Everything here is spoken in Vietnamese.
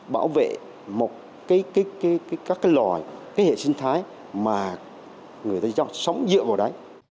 bảo vệ một cái loài cái hệ sinh thái mà người ta sống dựa vào đấy